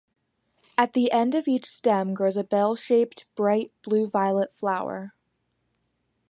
At the end of each stem grows a bell-shaped bright blue-violet flower.